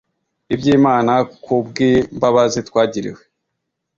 iby imana ku bw imbabazi twagiriwe